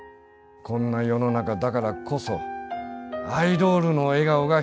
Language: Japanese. こんな世の中だからこそアイドールの笑顔が必要なんだよ。